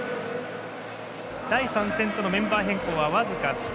第３戦とのメンバー変更は僅か２人。